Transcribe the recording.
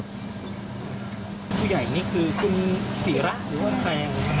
ผู้ใหญ่คือคุณสีระหรือว่างแคม